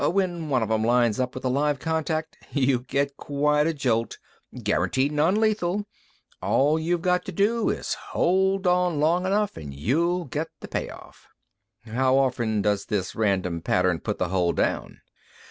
When one of 'em lines up with a live contact, you get quite a little jolt guaranteed nonlethal. All you've got to do is hold on long enough, and you'll get the payoff." "How often does this random pattern put the hole down?"